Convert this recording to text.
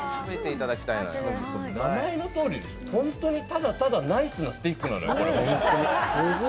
名前のとおり、ただただナイスなスティックなのよ、これは。